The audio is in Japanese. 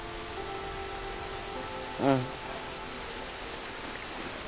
うん。